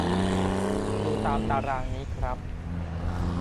ดูตามตารางนี้ครับ